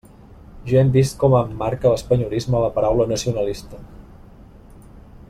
Ja hem vist com emmarca l'espanyolisme la paraula nacionalista.